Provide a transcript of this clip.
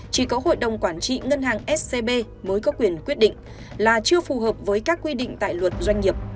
chỉ có hội đồng quản trị ngân hàng scb mới có quyền quyết định là chưa phù hợp với các quy định tại luật doanh nghiệp